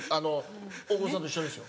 大久保さんと一緒ですよ